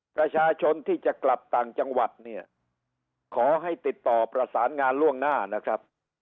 ประชาชนที่จะกลับต่างจังหวัดเนี่ยขอให้ติดต่อประสานงานล่วงหน้านะครับ